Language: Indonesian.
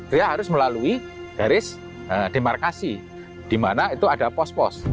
dia harus melalui garis demarkasi di mana itu ada pos pos